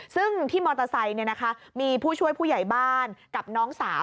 ซึ่งที่มอเตอร์ไซค์มีผู้ช่วยผู้ใหญ่บ้านกับน้องสาว